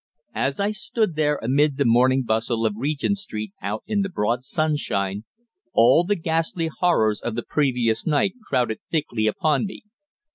As I stood there amid the morning bustle of Regent Street out in the broad sunshine, all the ghastly horrors of the previous night crowded thickly upon me.